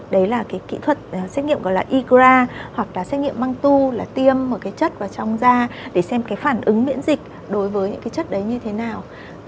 đấy là kỹ thuật xét nghiệm gọi là igra hoặc là xét nghiệm mang tu là tiêm một chất vào trong da để xem phản ứng miễn dịch đối với những chất đấy như thế nào